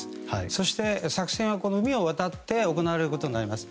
そして、作戦は海を渡って行われることになります。